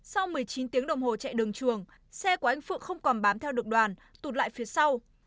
sau một mươi chín tiếng đồng hồ chạy đường chuồng xe của anh phượng không còn bám theo được đoàn tụt lại phía sau